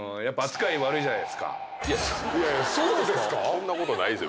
そんなことないですよ。